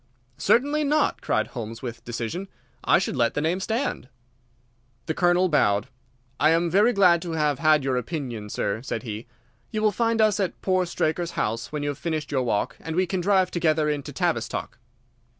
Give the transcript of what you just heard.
"Certainly not," cried Holmes, with decision. "I should let the name stand." The Colonel bowed. "I am very glad to have had your opinion, sir," said he. "You will find us at poor Straker's house when you have finished your walk, and we can drive together into Tavistock."